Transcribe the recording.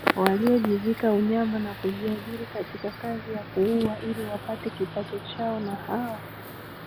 waliojivika unyama na kujiajiri katika kazi ya kuua ili wapate kipato chao Na hawa